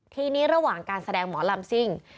ทีนี้ระหว่างการแสดงหมอลำซิ่ง